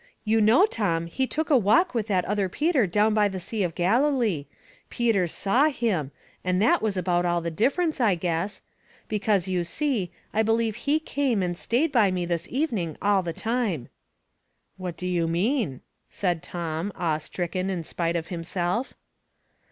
" You know, Tom, He took a walk with that other Peter down by the sea of Galilee. Peter saw Him, and that iSmoke and Bewilderment, 75 was about all the difference, I guess ; because, you see, I believe He came and stayed by me this eveninsj all the time." " What do you mean ?" said Tom, awe «»tricken in spite of himself.